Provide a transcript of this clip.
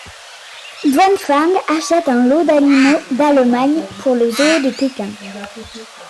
Duanfang achète un lot d'animaux d'Allemagne pour le zoo de Pékin.